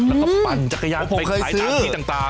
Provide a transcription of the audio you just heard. แล้วก็ปั่นจักรยานไปขายตามที่ต่าง